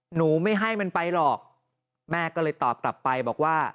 หนูไม่ให้มันไปหรอกแม่ก็เลยตอบกลับไปบอกว่า